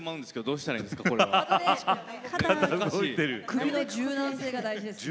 首の柔軟性が大事ですね。